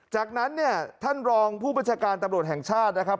จากนั้นเนี่ยท่านรองผู้บัญชาการตำรวจแห่งชาตินะครับ